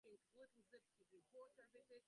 কাদের কথা বলছ তুমি?